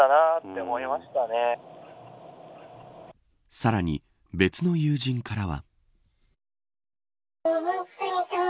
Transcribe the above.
さらに、別の友人からは。